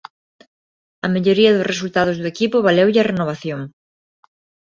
A melloría dos resultados do equipo valeulle a renovación.